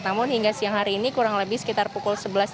namun hingga siang hari ini kurang lebih sekitar pukul sebelas tiga puluh